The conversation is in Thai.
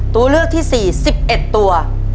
ตัวเลือกที่๔๑๑ตัว